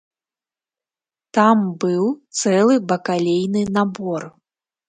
Там быў цэлы бакалейны набор.